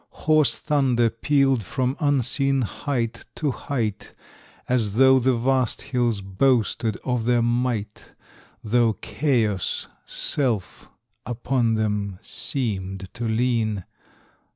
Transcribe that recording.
Hoarse thunder pealed from unseen height to height, As though the vast hills boasted of their might, Though Chaos' self upon them seemed to lean.